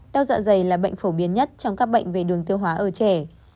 teo dạ dày là bệnh phổ biến nhất trong các bệnh về đường tiêu hóa ở trẻ